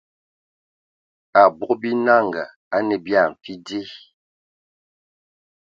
Abog binanga a nə bia ai mfi dze.